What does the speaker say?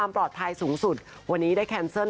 ปลอดภัยสูงสุดวันนี้ได้แคนเซิล